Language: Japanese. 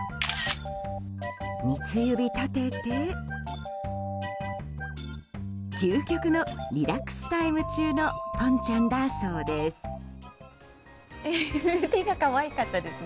三つ指立てて究極のリラックスタイム中のぽんちゃんだそうです。